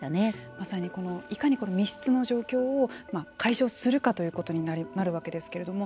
まさにいかに密室の状況を解消するかということになるわけですけれども。